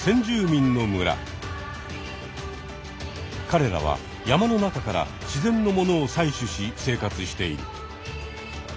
かれらは山の中から自然のものを採取し生活している。